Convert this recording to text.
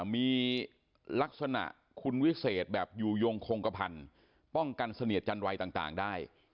มีลักษณะคุณวิเศษแบบอยู่ยงคงกระพันธ์ป้องกันเสนียดจันวัยต่างได้